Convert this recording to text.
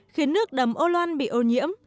khiến nước đầm ô loan bị ô nhiễm